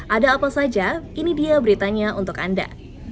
ada apa saja ini dia beritanya untuk anda